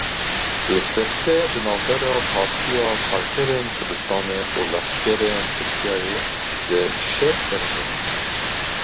Li Sêrtê di navbera Partiya Karkerên Kurdistanê û leşkerên Tirkiyeyê de şer derket.